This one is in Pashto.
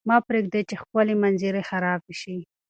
مه پرېږدئ چې ښکلې منظرې خرابې شي.